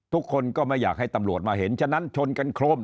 ทุกคนก็ไม่อยากให้ตำรวจมาเห็นฉะนั้นชนกันโครม